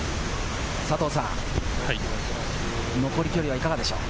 佐藤さん、残り距離はいかがでしょう？